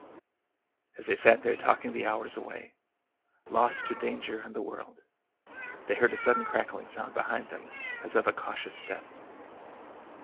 As they sat there talking the hours away, lost to danger and the world, they heard a sudden crackling sound be hind them, as of a cautious step.